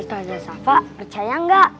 itu aja sava percaya gak